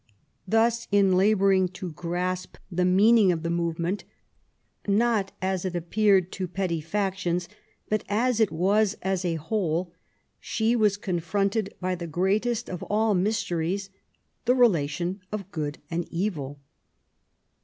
Thus, in labouring to grasp the meaning of the move ment, not as it appeared to petty factions^ but as it was as a whole, she was confronted by the greatest of all mysteries, the relation of good and evil.